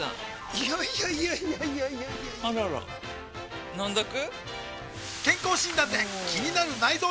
いやいやいやいやあらら飲んどく？